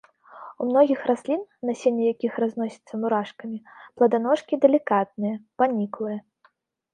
У многіх раслін, насенне якіх разносіцца мурашкамі, пладаножкі далікатныя, паніклыя.